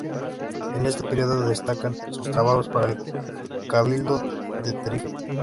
En este periodo destacan sus trabajos para el Cabildo de Tenerife.